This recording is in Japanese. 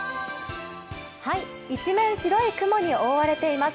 一面白い雲に覆われています。